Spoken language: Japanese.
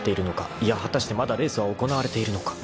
［いや果たしてまだレースは行われているのか］